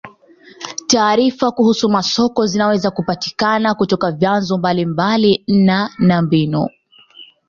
Taarifa kuhusu masoko zinaweza kupatikana kutoka vyanzo mbalimbali na na mbinu.